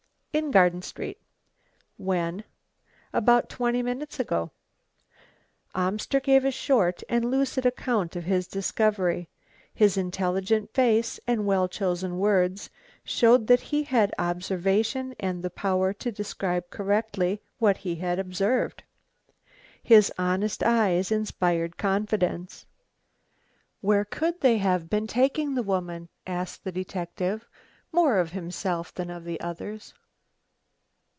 "In Garden street." "When?" "About twenty minutes ago." Amster gave a short and lucid account of his discovery. His intelligent face and well chosen words showed that he had observation and the power to describe correctly what he had observed. His honest eyes inspired confidence. "Where could they have been taking the woman?" asked the detective, more of himself than of the others.